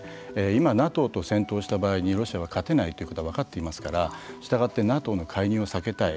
今、ＮＡＴＯと戦闘した場合に勝てないと分かっていますからしたがって、ＮＡＴＯの介入を避けたい。